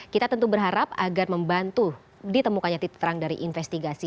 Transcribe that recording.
kita tentu berharap agar membantu ditemukannya titik terang dari investigasi